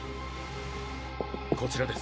こちらです。